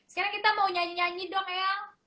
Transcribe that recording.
sekarang kita mau nyanyi nyanyi dok ya